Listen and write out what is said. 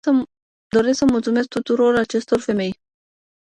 Doresc să mulțumesc și tuturor acestor femei.